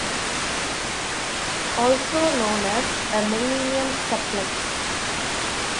Also known as a Millennium Suplex.